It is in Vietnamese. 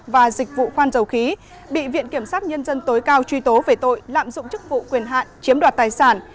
và dịch vụ khoan dầu khí bị viện kiểm sát nhân dân tối cao truy tố về tội lạm dụng chức vụ quyền hạn chiếm đoạt tài sản